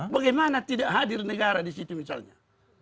bagaimana tidak hadir negara di situ misalnya